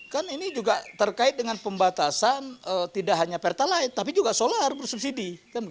kan ini juga terkait dengan pembatasan tidak hanya pertalite tapi juga solar bersubsidi